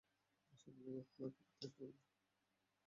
এসব লইয়া খেলা করিতে আসিবে না।